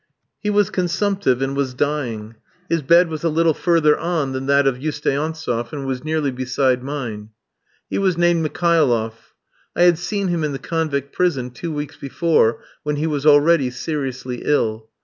He was consumptive, and was dying. His bed was a little further on than that of Usteantseff, and was nearly beside mine. He was named Mikhailoff. I had seen him in the Convict Prison two weeks before, when he was already seriously ill.